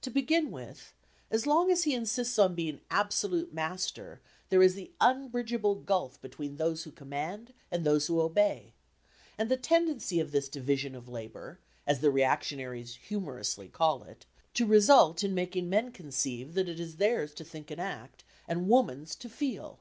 To begin with, as long as he insists on being absolute master, there is the unbridgeable gulf between those who command and those who obey, and the tendency of this "division of labour" (as the reactionaries humorously call it) to result in making men conceive it is theirs to think and act and woman's to feel.